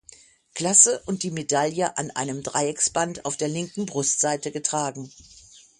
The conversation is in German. Klasse und die Medaille an einem Dreiecksband auf der linken Brustseite getragen.